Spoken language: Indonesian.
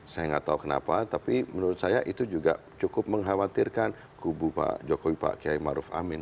saya nggak tahu kenapa tapi menurut saya itu juga cukup mengkhawatirkan kubu pak jokowi pak kiai maruf amin